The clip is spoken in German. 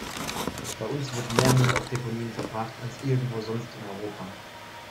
Bei uns wird mehr Müll auf Deponien verbracht als irgendwo sonst in Europa.